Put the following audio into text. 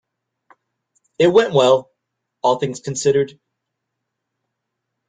It went well, all things considered.